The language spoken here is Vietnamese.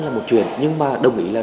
là một chuyện nhưng mà đồng ý là